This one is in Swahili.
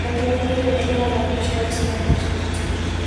Chakula kingi kwenye tumbo la kucheua sehemu ya chini ya tumbo